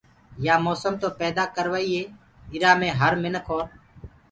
يآ موسم تو پيدآ ڪروئي ايرآ مي هر مِنک اور